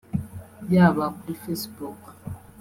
yaba kuri facebook